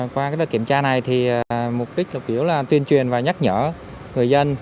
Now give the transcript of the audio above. qua cái đợt kiểm tra này thì mục đích là tuyên truyền và nhắc nhở người dân